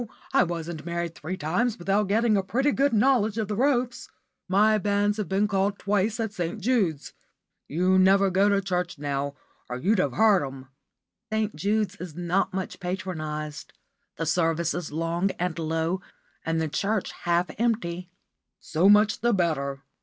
I wasn't married three times without getting a pretty good knowledge of the ropes. My banns have been called twice at St. Jude's. You never go to church now, or you'd have heard 'em." "St. Jude's is not much patronised. The service is long and low, and the church half empty." "So much the better."